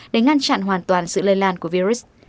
để ngăn chặn hoàn toàn sự lây lan của virus